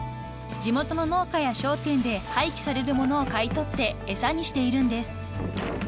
地元の農家や商店で廃棄されるものを買い取って餌にしているんです］